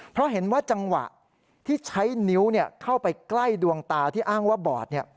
เพราะเห็นว่าจังหวะที่ใช้นิ้วเข้าไปใกล้ดวงตาที่อ้างว่าบอด